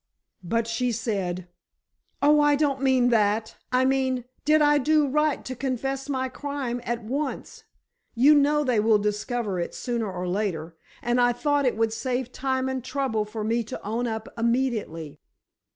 But she said: "Oh, I don't mean that! I mean, did I do right to confess my crime at once? You know they would discover it sooner or later, and I thought it would save time and trouble for me to own up immediately."